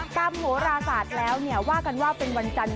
กล้ามหัวราศาสตร์แล้วเนี่ยว่ากันว่าเป็นวันจันทร์